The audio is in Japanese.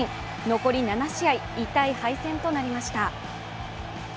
残り７試合、痛い敗戦となりました。